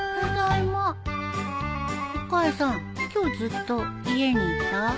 今日ずっと家にいた？